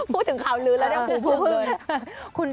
พูดถึงข่าวลือแล้วท่านผู้พื้น